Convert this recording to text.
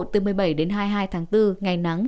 từ một mươi bảy đến hai mươi hai tháng bốn ngày nắng